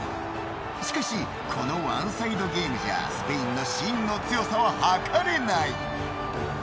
しかしこのワンサイドゲームじゃスペインの真の強さは、はかれない。